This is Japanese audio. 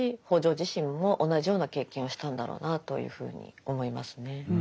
自身も同じような経験をしたんだろうなというふうに思いますね。